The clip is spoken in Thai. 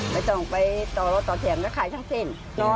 ไม่ต้องไปต่อโลกต่อเถียงแล้วขายทั้งสิ้น